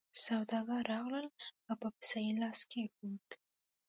سوداګر راغلل او په پسه یې لاس کېښود.